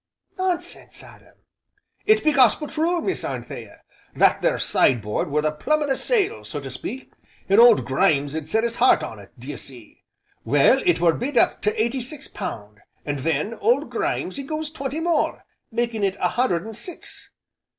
"Nonsense, Adam!" "It be gospel true, Miss Anthea. That there sideboard were the plum o' the sale, so to speak, an' old Grimes had set 'is 'eart on it, d'ye see. Well, it were bid up to eighty six pound, an' then Old Grimes 'e goes twenty more, making it a hundred an' six.